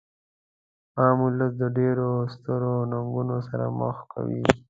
عام ولس د ډیرو سترو ننګونو سره مخ کوي.